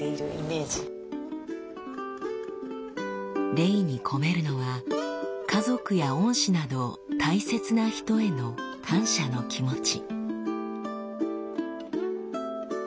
レイに込めるのは家族や恩師など大切な人への感謝の気持ち。